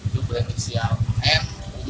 itu beranisial r umur dua puluh tiga tahun